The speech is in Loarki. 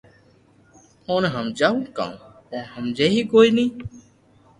اوني ھمجاوُ ڪاوُ او ھمجي ڪوئي ني